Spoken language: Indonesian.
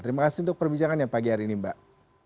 terima kasih untuk perbincangan yang pagi hari ini mbak